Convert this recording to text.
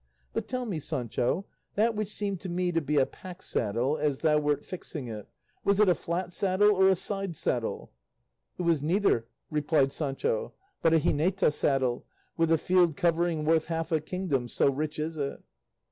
But tell me, Sancho, that which seemed to me to be a pack saddle as thou wert fixing it, was it a flat saddle or a side saddle?" "It was neither," replied Sancho, "but a jineta saddle, with a field covering worth half a kingdom, so rich is it."